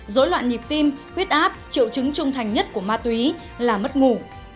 dối loạn nhịp tim huyết áp triệu chứng trung thành nhất của ma túy là mất ngủ